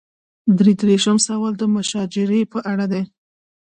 درې دېرشم سوال د مشاجرې په اړه دی.